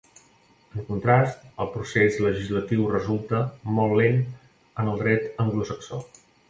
En contrast, el procés legislatiu resulta molt lent en el dret anglosaxó.